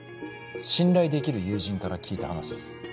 信頼できる友人から聞いた話です